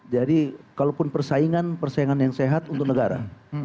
jadi kalaupun persaingan persaingan yang sehat untuk negara